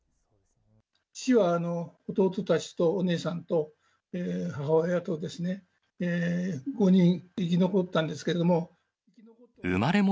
父は弟たちとお姉さんと母親とですね、５人生き残ったんですけれども。